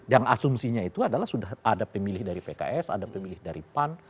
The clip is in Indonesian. yang asumsinya itu adalah sudah ada pemilih dari pks ada pemilih dari pan